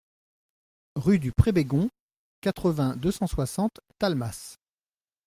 Rue du Pré Bégond, quatre-vingts, deux cent soixante Talmas